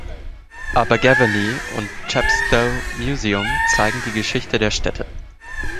Abergavenny und Chepstow Museum zeigen die Geschichte der Städte.